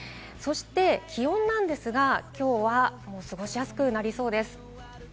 気温なんですが、今日は過ごしやすくなりそうです。